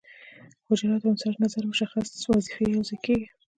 حجرات او انساج نظر مشخصې وظیفې یوځای کیږي.